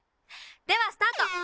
ではスタート！